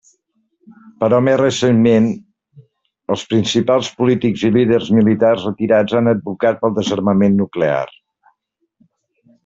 Però més recentment, els principals polítics i líders militars retirats han advocat pel desarmament nuclear.